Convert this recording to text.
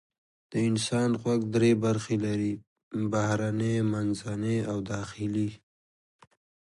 د انسان غوږ درې برخې لري: بهرنی، منځنی او داخلي.